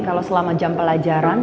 kalau selama jam pelajaran